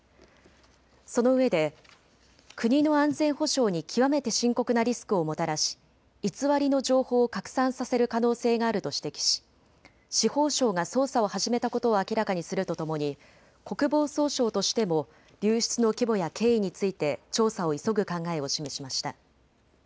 そのうえで国の安全保障に極めて深刻なリスクをもたらし偽りの情報を拡散させる可能性があると指摘し司法省が捜査を始めたことを明らかにするとともに国防総省としても流出の規模や経緯について調査を急ぐ考えを示しました。